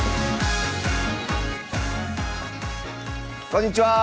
こんにちは。